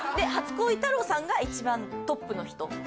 初恋タローさんが一番トップの人。